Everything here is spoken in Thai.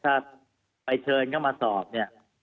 ถ้าไปเฉินก็มาสอบเนี่ย